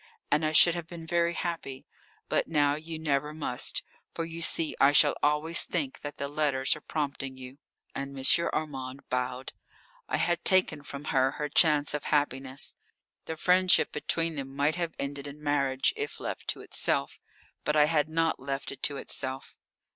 And I should have been very happy. But now you never must. For you see I shall always think that the letters are prompting you." And M. Armand bowed. I had taken from her her chance of happiness. The friendship between them might have ended in marriage if left to itself. But I had not left it to itself.